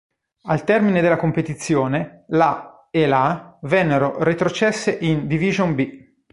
Al termine della competizione la e la vennero retrocesse in "Division B".